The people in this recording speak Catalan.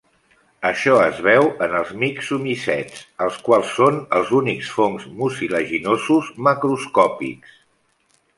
Això es veu en els mixomicets els quals són els únics fongs mucilaginosos macroscòpics.